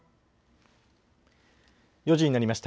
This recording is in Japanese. ４時になりました。